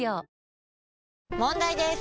問題です！